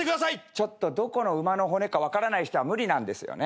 ちょっとどこの馬の骨か分からない人は無理なんですよね。